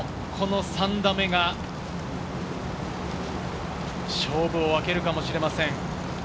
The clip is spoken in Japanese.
シン・ジエにとっても、この３打目が勝負を分けるかもしれません。